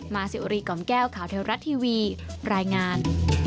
สิวรีกล่อมแก้วข่าวเทวรัฐทีวีรายงาน